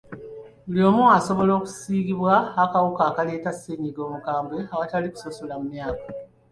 Buli omu asobola okusiigibwa akawuka akaleeta ssennyiga omukambwe awatali kusosola mu myaka.